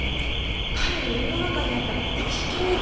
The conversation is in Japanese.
彼の胃の中にあった挽き肉。